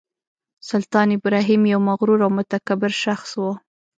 سلطان ابراهیم یو مغرور او متکبر شخص و.